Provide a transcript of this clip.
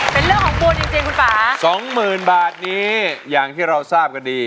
เป็นเรื่องของบุญจริงคุณป่าสองหมื่นบาทนี้อย่างที่เราทราบกันดี